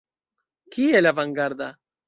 Kiel avangarda!